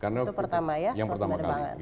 itu pertama ya suasmbara pangan